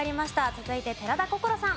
続いて寺田心さん。